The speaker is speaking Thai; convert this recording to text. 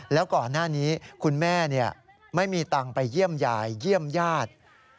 แล้วก่อนหน้านี้คุณแม่ไม่มีตังค์ไปเยี่ยมยายเยี่ยมญาติ